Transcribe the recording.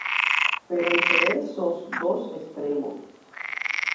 Pero entre esos dos extremos.